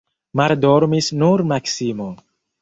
Maldormis nur Maksimo.